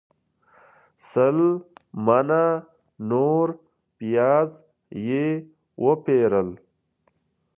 سل منه نور پیاز یې وپیرل.